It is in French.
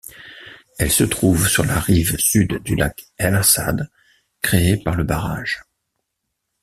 Elle se trouve sur la rive sud du lac el-Assad créé par le barrage.